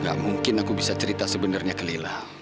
gak mungkin aku bisa cerita sebenarnya ke lila